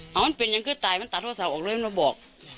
ถ้ามันเป็นยังคือตายมันตัดโทรศาสตร์ออกเลยมันบอก